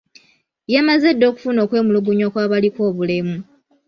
Yamaze dda okufuna okwemulugunya kw'abaliko obulemu